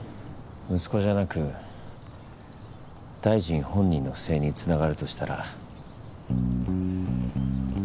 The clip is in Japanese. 息子じゃなく大臣本人の不正につながるとしたら？